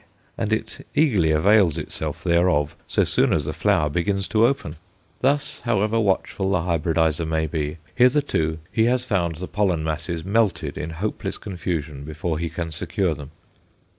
and it eagerly avails itself thereof so soon as the flower begins to open. Thus, however watchful the hybridizer may be, hitherto he has found the pollen masses melted in hopeless confusion before he can secure them.